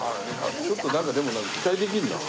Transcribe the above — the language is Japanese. ちょっとなんかでも期待できるな。